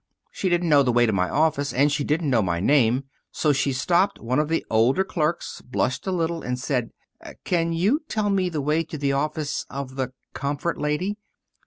She didn't know the way to my office, and she didn't know my name. So she stopped one of the older clerks, blushed a little, and said, 'Can you tell me the way to the office of the Comfort Lady?'